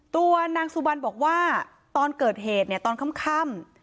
ตัวนางสุบันบอกว่าตอนเกิดเหตุเนี่ยตอนค่ำ